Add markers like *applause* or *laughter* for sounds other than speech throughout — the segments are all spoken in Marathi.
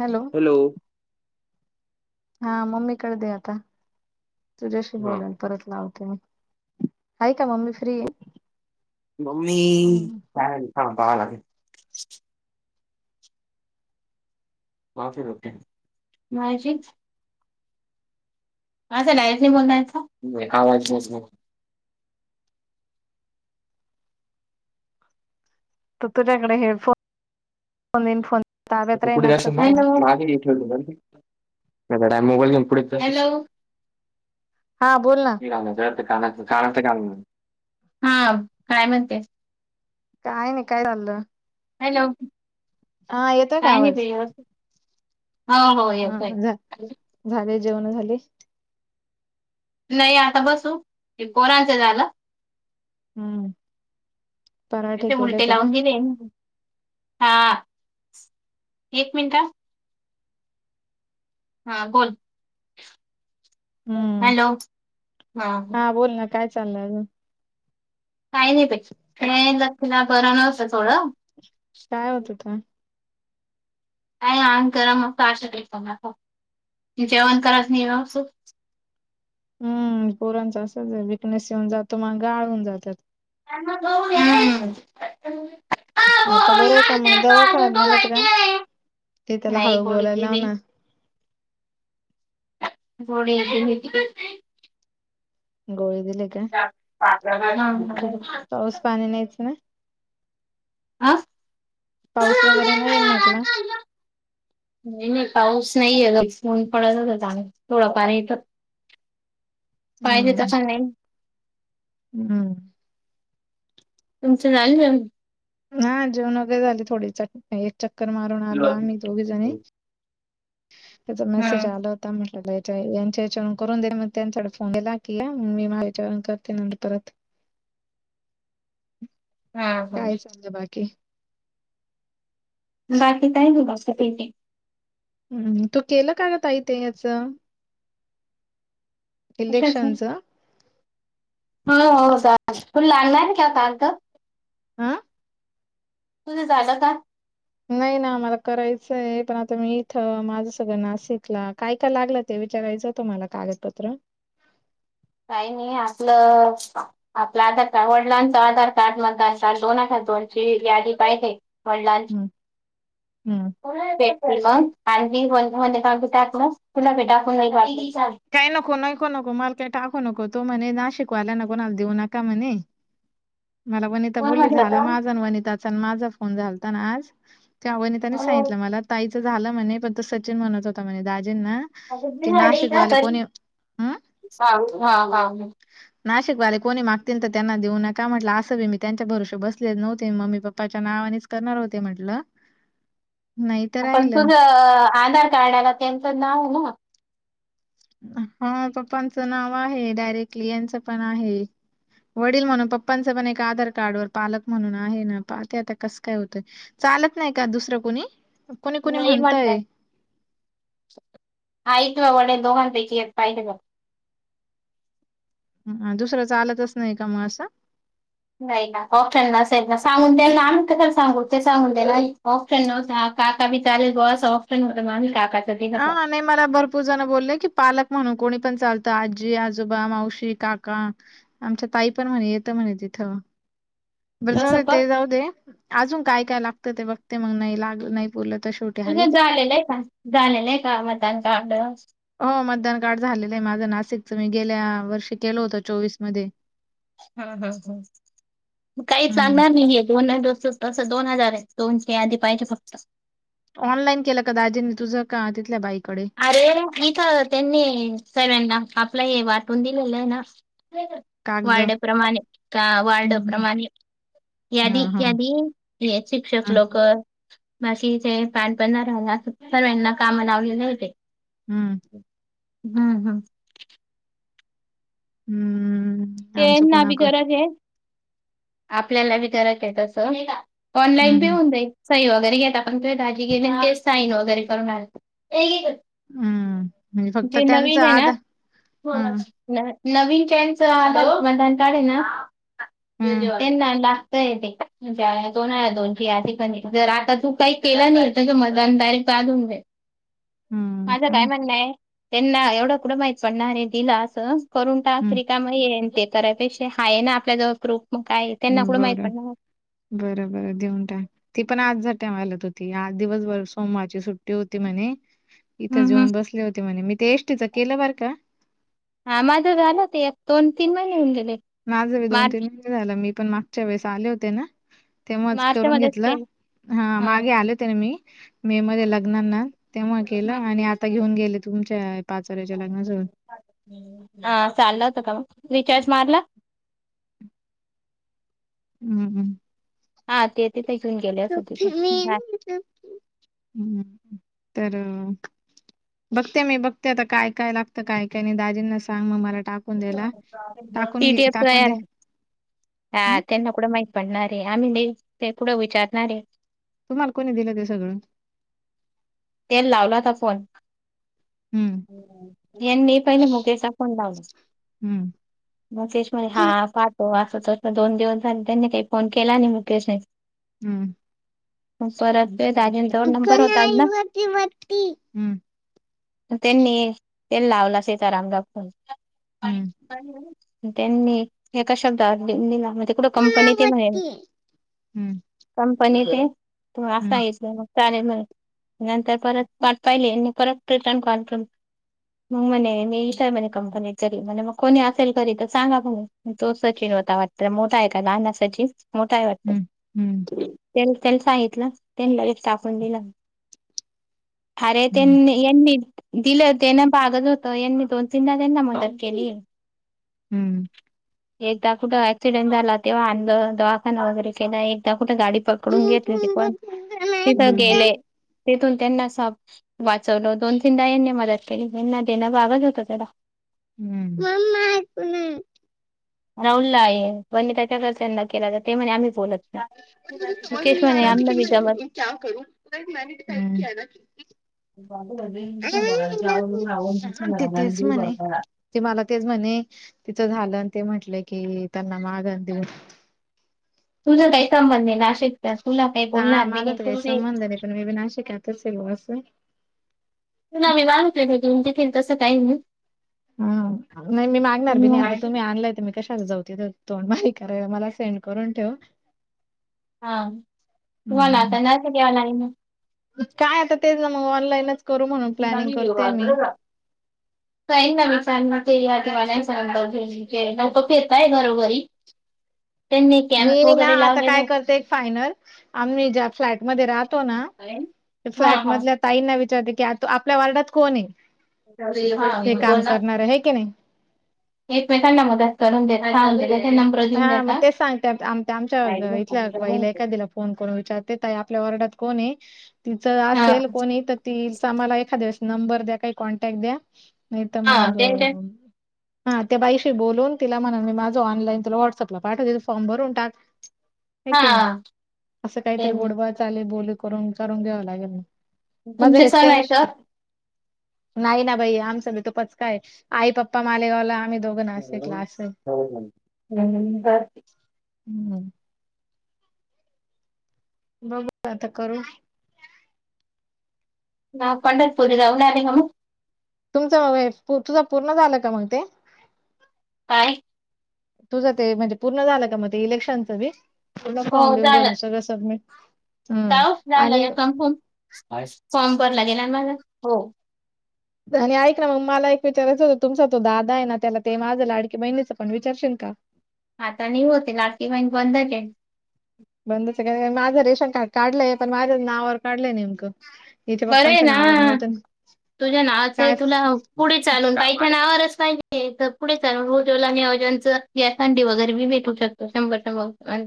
हॅलो! हा मम्मीकडे दे आता तुझ्याशी हा बोलाल. परत लावते का का मम्मी फ्री आहे. मम्मी का ह पा ला. *inaudible* आस डायरेक्ट नाही बोलता येत का, नाही आवाज येत नाही. तू - तुझ्याकडे हेडफोन फन. पुढे जात मागे पुढे *unintelligible* हां बोल ना ना काना का हा काय म्हणते. काय नाही काय चाललं. हॅलो हा येतोय का काय नाही आवाज पियू *unintelligible* हो -हो. हा येतोय. झा -झाले, जेवणं झाली? नाही आता बसू, हे पोरांचं झालं. हम्म... पराठे त्याचे केले मूर्ते होते का लावून गेले, हा एक मिनिटा. हा बोल. हम्म हॅलो हा बोल ना, काय चाललंय अजून? काही नाही बाई *unintelligible* बर नव्हतं थोडं. काय होत होत? काय आंग गरम नुसता अशक्तपणा तो, जेवण करत नी व्यवस्थित. हम्म पोरांच असंच आहे, विकनेस येऊन जातो मग गाळ होऊन जात्यात. *unintelligible* हम्म आता बरं आहे का मग, दवाखान्यात नेलं होत का? ये त्याला नाही हळू गोळी बोलाय लाव दिली ना. गोळी एक घ्यायची. *unintelligible* गोळी दिली का? हा? पाऊस पाणी नाइचं ना? आह पाऊस वगैरे नाहीये न म्हटलं. *unintelligible* नाही -नाही पाऊस नाहीये, उच-ऊन पडत होत थोड फार इथं. पाहिजे हम्म तसा नाही *inaudible* हम्म तुमचं झालं जेवण? ना, जेवूण वगैरे झाली थोडी च- एक चक्कर मारून आलो आम्ही दोघी जणी. त्याचा मेसेज हम्म आल हो थांब म्हटलं याच्या- यांच्या हेचावरून करून दे, मग त्यांच्याकडे फोनला दिला, की मग मी माझ्यावरून करते नंतर परत. हा हा *inaudible* काय चाललं बाकी? बाकी काय नाही, मस्तपैकी. हम्म, तू केलं का ग ताई ते हेच? कशाच इलेक्शनच. हो- हो का फुन लागणाराय का काल पण *unintelligible* आ? तुझ झालं का? नाही ना आम्हाला करायचंय, पण आता मी इथं माझं सगळं नाशिकला काय -काय लागलं ते विचारायचं होत मला कागदपत्र. काय नाही आपलं आपलं आधारकार्ड, वडिलांचा आधारकार्ड, मतदारसाल दोनहजार दोनची यादी पाहिजे. वडाला *unintelligible* हम्म तु भेटली मग आणि ती म्हने आम्ही टाकलं तुला बी टाकून *unintelligible* काय नको -नको -नको मला काय टाकू नको तो म्हणे नाशिक वाल्यान कोणाला देऊ नका म्हणे. मला वनिता कोण बोलली, म्हटलं झाला माझा वनिताचा माझा फोन झालता ना आज. तेव्हा वनितानी सांगितलं मला ताईचं झालं म्हणे पण तो सचिन म्हणत होता म्हणे दाजींना, की नाशिकवाले कोणी हं *unintelligible* नाशिकवाले कोणी मागतील तर त्यांना देऊ नका, म्हटलं असं बी मी त्यांच्या भरोशाव बसलेच नव्हते मम्मी, पप पाच्या नावानेच करणार होते म्हंटलं. आ पण तुझं आधारकार्डाला त्यांचं नावये ना. हा पप्पांचं नाव आहे, डायरेक्टली याचं पण आहे. वडील म्हणून पप्पांचा पण एक आधारकार्डवर पालक म्हणून आहे ना, पाहते ते आता कसं काय होतय. चालत नाही का दुसरं कुणी? कुणी कुणी नाही म्हणताय म्हटलं आई किंवा वडील दोघांपैकी एक पाहिजे कोण तर. दुसर चालतच नाही का मग असं? नाही ना ऑप्शन नसेल ना सांगून द्या ना आम्ही तर का सांगू ते सांगून द्या काका बी चाले ग सफ्र हो मा काका *unintelligible* आ नाही मला भरपूर जण बोललं की पालक म्हणून कोणी पण चालतं आजी आजोबा मावशी काका आमच्या ताई पण म्हणे येतं म्हणे तिथं बरं बुवा जाऊ तसं दे ते पण जाऊ दे अजून काय काय लागत ते बघते मग नाही लाग नाही पुरलं तर शेवटी तुझे आहेच. झालेलं आहे का झालेलं आहे का मदान कार्ड हो मतदान कार्ड झालेलं आहे माझं नाशिकच मी गेल्या वर्षी केल होतं चोवीस मध्ये हम ह ह काही हम्म. चालणार नाही आहे दोनस तसं दोन हजार आहे दोनशे आधी पाहिजे फक्त ऑनलाईन केलं का दाजींनी तुझं का तिथल्या बाईकडे अरे इथं त्यांनी सगळ्यांना आपल हे वाटून दिलेल हाय ना कागदं? वॉर्डाप्रमाणे का हं, हं. वॉर्डाप्रमाणे यादी हां, हां. यादी शिक्षक हे हां, लोक बाकी ते *unintelligible* सगळ्यांना काम लावलेली आहेत हं. ह हा हम्म ते ना बी गरज आहे आपल्याला बी गरज आहे तस हं, ऑनलाइन बी हं. होऊन जाईल सई वगैरे घेता पण ते दाजी गेले तेच साईन वगैरे करून आणते हं, म्हणजे फक्त जे त्यांचं नवीन आहे आधार ना हं, न नवीन ज्यांचं आधार कार्ड आहे ना हं, त्यांना लाग ते म्हणजे दोन हजार दोनची यादी पण जर आता तू काही केला नाही त्याच्य मतदान डायरेक्ट चालून जाईल *inaudible* माझं काय हं, म्हणणं आहे त्यांना एवढं कुठं माहित पडणारे दिला असं करून टाक हं. रिकामं येईन ते त्यापेक्षा आहे ना आपल्या जवळ प्रुप मग काय त्यांना कुठं माहित बरं, पडणार बरं बरं देऊन टाक ती पण आज जाते म्हणत होती आज दिवसभर सोमवारची सुट्ट होती म्हणे इथं हम्म हम्म जेऊन बसले होते म्हणे मी ते एसटीच केलं बर का ह माझं झालं ते एक दोन तीन महिने होऊन गेले माझ बी दोन तीन मार्च महिने झाले मी पण मागच्या वेळेस आले होते ना तेव्हाच मार्च करून मध्येच घेतलं केलं हा मागे आले मी मे मध्ये लग्नाना तेव्हा केलं हम्म. आणि आता घेऊन गेले तुमच्या पाचोरायच्या लग्नाजवळ हा चाललं होत का मग रिचार्ज मारला हम्म् हा ते तिथे येऊन गेले अस तिथं बाय हम् तर बघते मी बघते आता काय काय लागतं काय काय नाही दाजींना सांग मग मला टाक टीटीएफ नाय दे आली हा हं, त्यांना कुठं माहीत पडणार आहे आम्ही नाही ते कुढं विचारणार आहे तुम्हाला कोणी दिलं ते सगळून ते लावला होता फोन हं, यांनी पहिले मुगेचा फोन लावला हं, मुकेश म्हणे हा हं. पाहतो असं तस दोन दिवस झाले त्यांनी काही फोन केला नाही मुकेश नी हम्म हो परत त्या *unintelligible* त्यांनी ते लावला असेल सरांना फोन त्यांनी एका शब्दात घेऊन दिला. म तिकडं कंपनी ये म्हणे हं, कंपनीते *unintelligible* हं, मग चालेल म्हणे. नंतर परत वाट पाहिली यांनी परत रिटर्न कॉल केले. मग म्हणे मी इथं म्हणे कंपनी, मग कोणी असेल घरी तर सांगा तुम् तो सचीन होता वाटत मोठा आहे का लहान सचिन मोठा आहे वाटत. हं, त्या त्याला सांगितलं त्यानी लगेच टाकून दिलं. अरे हं, त्यांनी यांनी दिलं ते ना भागत होत यांनी दोन तीनदा त्यांना मदत केली. हम्म. एकदा कुठं ऍक्सिडेंट झाला तेव्हा आणलं, दवाखाना वगैरे केला एकदा कुठे गाडी पकडून घेतले ते कोण तिथ हं. गेले तिथून त्यांना वाचवलो दोन तीनदा यानी मदत केली यांना देणं भागच होतं त्याला. न ना *inaudible* राहुलला आहे पण मी त्याच्याकडेच त्यांना केला तर ते म्हणे आम्ही बोलत नाही. म समज मुकेश नाही आ म्हणे रहा था आम्हाला की बी मैं जमत क्या करू क्या करू मैं ने जो टाईप किया ना न हा, ते तेच गे म्हणे बतार *unintelligible* ते मला तेच म्हणे तिचं झालं ते म्हंटलं कि त्यांना माग देऊ तुझ काही संबंध आहे नाशिकचा तुला काही बोलणार नाही तु न वि विनाश *unintelligible* कते स बस तुला मी *unintelligible* बहतोय भघून देखील तसं काही हम नाही मी मागणार पण बी नाही मग आता तुम्ही आणलाय तर मी कशाला जाऊ तिथं. तोंड बारीक करायला, मला सेंड करून ठेव. हा तुम्हाला हम्म. आता नाशिकला यावं लागलं ना. काय आता तेच ना मग ऑनलाईनच करू म्हणून प्लॅनिंग करते मी. काही ना विचार ते या किंवा *inaudible* मी ना आता लावलेले काय करते एक फायनल आम्ही ज्या फ्लॅट मध्ये राहतो ना आहेत हा फ्लॅट हा मधल्या ताईंना विचारते की आ आपल्या वार्डात कोण आहे? हा, ते काम बोला. करणार, आहे की नाही. एकमेकांना मदत करून देतां. हा दिलेले हा मग तेच सांगते आ आमच्या इथल्या बाईला एखादी्याला कोण कोण विचारते ताई आपल्या वार्डात कोण आहे. तिचं हा असेल कोणी तर तिचं म्हाला एखाद्याळेस नंबर द्या काही कॉन्टॅक्ट द्या नाही तर हा मग त्यांचे हा त्या बाईशी बोलून तिला म्हणल माझं ऑनलाईन तुला व्हाट्सअप ला पाठवते तू फॉर्म भरून टाक, आहे की नाही हा अस ते काहीतरी गोड चाले बोल करून करून घ्याव लागेल म माझ तुमचे सण हेश्टाग आहे का नाही ना बाई आमचं भी तूपच काय आई पप्पा मालेगावला आम्ही दोघ *inaudible* हम्म. बघू आता करू. दवाखान्यात पोरी जाऊन आली का मग? तुमचं तुझं पूर्ण झालं का मग ते? काय? तुझं ते म्हणजे पूर्ण झालं का मग ते इलेक्शनचं बी पूर्ण फॉर्म बिम बनवू सगळं सबमिट हम्म काय ओ लावला आणि होता का फोन फॉर्म भरला गेलाना माझा हो. आणि ऐक ना मग मला एक विचारायचं होतं तुमचा तो दादा आहे ना त्याला ते माझा लाडकी बहिणीच पण विचारशील का? आता नाही होत लाडकी बहिण बंद ते. बंदच का माझं रेशन कार्ड काढलंय पण माझ्या नावावर काढलंय नेमकं. हिच्या बरंय पप्पांच्या ना नावावर नव्हतं तुझ्या नावाचं ही काय तुला पुढे चालून पाहिच्या ना आववरच पाहिजे तर पुढे चालून रोजवला म अजनच गसंडी वगैरे बी भेटू शकतो. शंभर शंभर.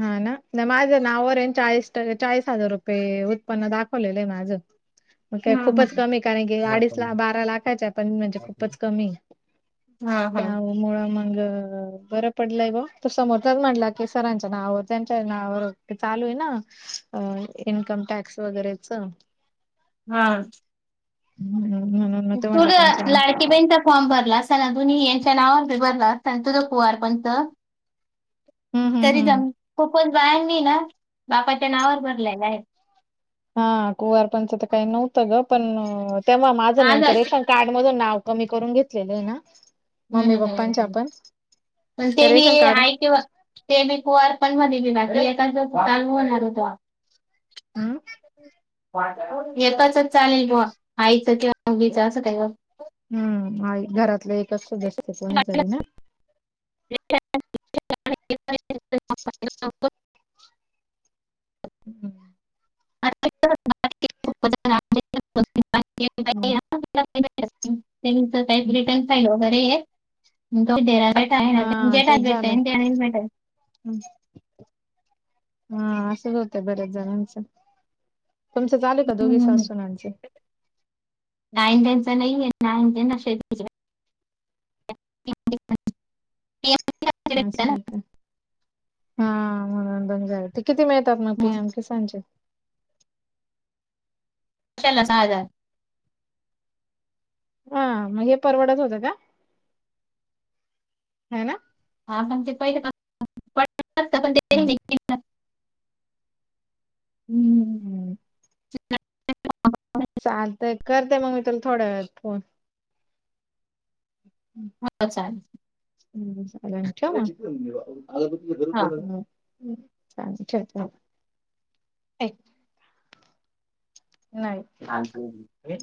हा ना नाही माझं नावरेन चाळीस चाळीस हजार रुपये उत्पन्न दाखवलेलं आहे माझं. मग का हम्म खूपच कमी कारण की अडीच ला हम्म. बारा लाखाच्या पण म्हणजे खूपच कमी हा हा. मुळ मग बरं पडलंय व समोरचा म्हडला की सरां ना त्यांच्या नावर चालू आहे ना इन्कम टॅक्स वगैरेच हम. म्हणून मग ते तुझ म्हटलं त्यांच्या नाव. लाडक. किबेनचा फॉर्म भरला सनाधुनी यांच्या नावावरी भरला स तुझं कुवार पणंत. हम्म हम्म तरी हम्म जम खूपच बायांनी ना बापाच्या नावावर भरलेला आहे. हा कुवारपणच तर काही नव्हतं ग पण तेव्हा माझं आज नेमकं रेशां. कार्ड मधून नाव कमी करून घेतलेलं आहे ना. मम्मी पप्पांच्या हम् पण प ते बी रेशन कार्ड आहे किवा ते बी कुआर पण मध्ये बीना बी ए एकाच चालू होणार होतो. हम. येताचच चालेल बा आईचं किंवा उगीच असं काय? हम्मआई घरातलं एकच सदस्य कोणीतरी ना. अच्छा *inaudible* *unintelligible* हम्म. *inaudible* रिटर्न फाईल वगैरे *inaudible* जेटाेटय मिल. ह हा असंच होतंय बऱ्याच जणांच. तुमचं झाले का दोघे सास सुनांचे नान टेनचा नाहीये नाने. त *inaudible* ह का हा मनोरंजन झायते किती मिळतात मग पियाम सांजे केला सहा हजार. हा मग हे परवडत होत का ह ना. हा पण ते पहिले पण हम्म ते हम्म. चालते करते मग मी तुला थोड्या वेळात फोन हम्म. हो चाल. *inaudible* चा नाही. चा *inaudible* आणि